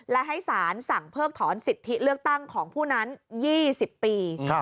และให้สารสั่งเพิกถอนสิทธิเลือกตั้งของผู้นั้น๒๐ปี